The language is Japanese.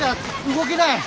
動げない。